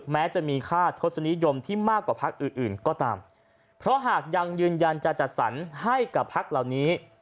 แม้จะมีค่าทศนิยมที่มากกว่าพักอื่นอื่นก็ตามเพราะหากยังยืนยันจะจัดสรรให้กับพักเหล่านี้